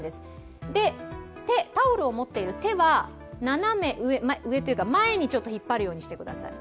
タオルを持っている手は前にちょっと引っ張るようにしてください。